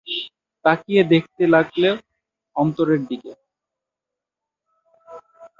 তাকিয়ে দেখতে লাগল অন্তরের দিকে।